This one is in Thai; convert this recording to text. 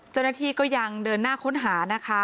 เจ้าหน้าที่ก็ยังเดินหน้าค้นหานะคะ